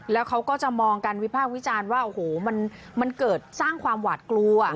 แล้วเขาก็จะมองกันวิพากษ์วิจารณ์ว่าโอ้โหมันเกิดสร้างความหวาดกลัว